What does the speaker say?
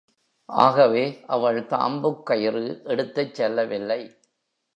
ஆகவே, அவள் தாம்புக்கயிறு எடுத்துச் செல்லவில்லை.